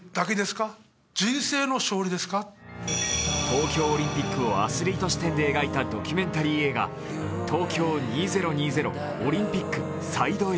東京オリンピックをアスリート視点で描いたドキュメンタリー映画「東京２０２０オリンピックＳＩＤＥ：Ａ」。